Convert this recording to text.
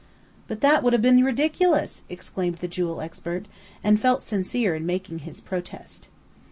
"But that would have been ridiculous!" exclaimed the jewel expert, and felt sincere in making his protest.